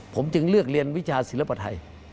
ผมจึงเลือกเรียนวิชาศิลปไทย